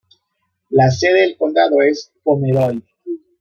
La sede del condado es Pomeroy.